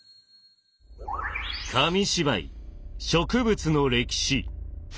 紙芝居「植物の歴史」。